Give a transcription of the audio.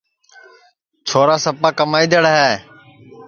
چھورا سپا کمائدڑ ہے